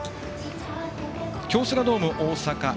京セラドーム大阪。